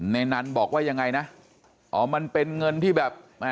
ในนั้นบอกว่ายังไงนะอ๋อมันเป็นเงินที่แบบ